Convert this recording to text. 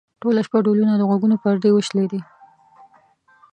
ټوله شپه ډولونه؛ د غوږونو پردې وشلېدې.